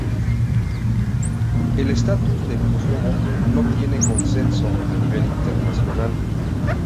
El estatus de Kosovo no tiene consenso a nivel internacional.